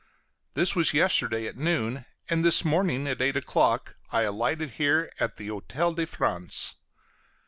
This was yesterday at noon, and this morning, at eight o'clock, I alighted here at the Hôtel de France.